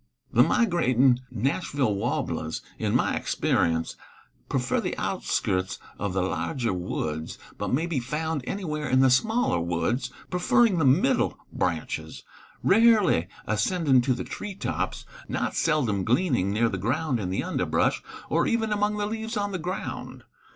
The migrating Nashville warblers, in my experience, prefer the outskirts of the larger woods, but may be found anywhere in the smaller woods, preferring the middle branches, rarely ascending to the tree tops, not seldom gleaning near the ground in the underbrush, or even among the leaves on the ground.